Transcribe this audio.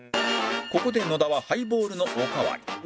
ここで野田はハイボールのおかわり